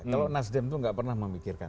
kalau nasdem itu nggak pernah memikirkan